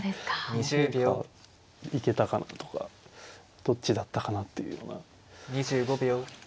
何か行けたかなとかどっちだったかなっていうような。